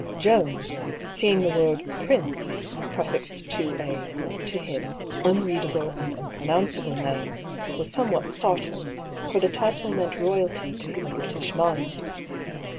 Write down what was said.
Jones, seeing the word " Prince " prefixed to a, to him, unreadable and unpronounceable name, was some what startled, for the title meant royalty to his British 162 DR. PAULL'S THEORY. mind.